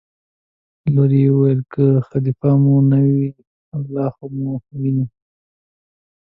لور یې وویل: که خلیفه مو نه ویني الله خو مو ویني.